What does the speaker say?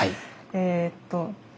えっと